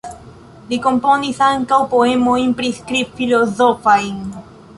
Li komponis ankaŭ poemojn priskrib-filozofajn.